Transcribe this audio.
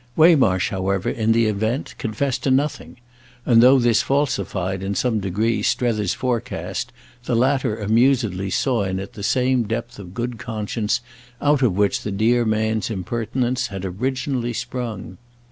Waymarsh however in the event confessed to nothing; and though this falsified in some degree Strether's forecast the latter amusedly saw in it the same depth of good conscience out of which the dear man's impertinence had originally sprung.